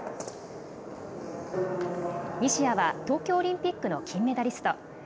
西矢は東京オリンピックの金メダリスト。